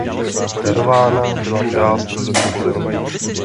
Darována byla část rodových pozemků.